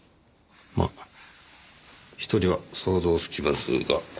まあ１人は想像つきますがはい。